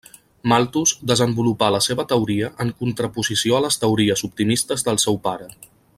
Malthus desenvolupà la seva teoria en contraposició a les teories optimistes del seu pare.